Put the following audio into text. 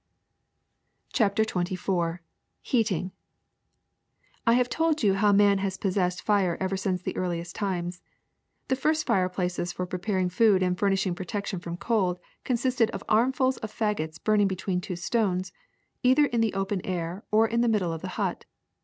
'' CHAPTER XXIV HEATING T HAVE told you how man has possessed fire ever JL since the earliest times. The first fireplaces for preparing food and furnishing protection from cold consisted of armfuls of fagots burning between two stones, either in the open air or in the middle of the hut.